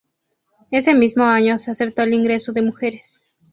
Ese mismo año se aceptó el ingreso de mujeres.